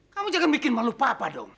kamu jangan bikin malu papa dong